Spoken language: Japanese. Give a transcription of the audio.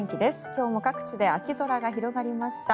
今日も各地で秋空が広がりました。